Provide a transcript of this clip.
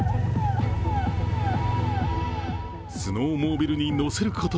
スノーモービルに乗せること